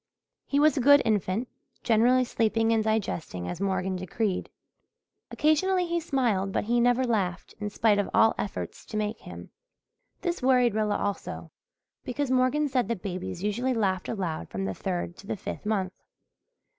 He was a good infant, generally sleeping and digesting as Morgan decreed. Occasionally he smiled but he had never laughed, in spite of all efforts to make him. This worried Rilla also, because Morgan said that babies usually laughed aloud from the third to the fifth month.